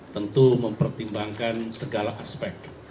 tentu mempertimbangkan segala aspek